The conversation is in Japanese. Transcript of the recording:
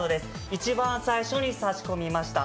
一番最初に差し込みました。